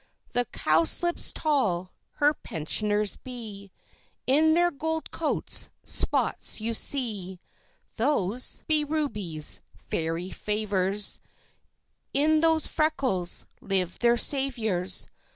The Cowslips tall her pensioners be; In their gold coats spots you see; Those be rubies, Fairy favours, In those freckles live their savours.